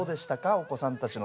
お子さんたちの。